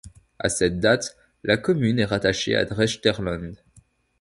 À cette date, la commune est rattachée à Drechterland.